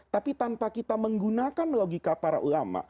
tapi tanpa kita menggunakan logika para ulama